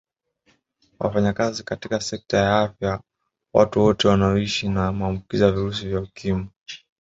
Wafanyakazi katika sekta ya afya Watu wote wanaoishi na maambukizi ya virusi vya Ukimwi